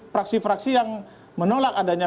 fraksi fraksi yang menolak adanya